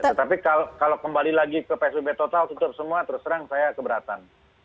tetapi kalau kembali lagi ke psbb total tutup semua terus terang saya keberatan